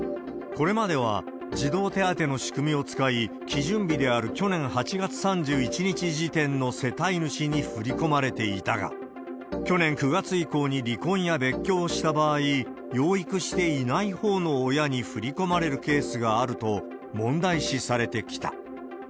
これまでは児童手当の仕組みを使い、基準日である去年８月３１日時点の世帯主に振り込まれていたが、去年９月以降に離婚や別居をした場合、養育していないほうの親に振り込まれるケースがあると、問題視されてきた。